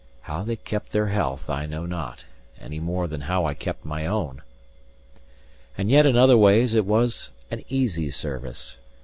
How they kept their health, I know not, any more than how I kept my own. And yet in other ways it was an easy service.